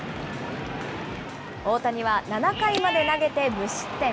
大谷は７回まで投げて、無失点。